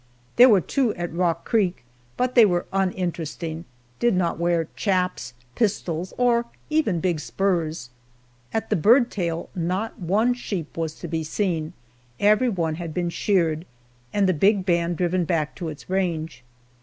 There were two at Rock Creek, but they were uninteresting did not wear "chaps," pistols, or even big spurs. At the Bird Tail not one sheep was to be seen every one had been sheared, and the big band driven back to its range.